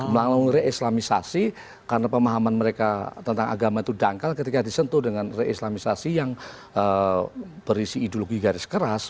melalui reislamisasi karena pemahaman mereka tentang agama itu dangkal ketika disentuh dengan reislamisasi yang berisi ideologi garis keras